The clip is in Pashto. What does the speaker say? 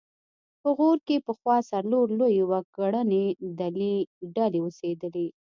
په غور کې پخوا څلور لویې وګړنۍ ډلې اوسېدلې